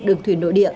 đường thuyền nội địa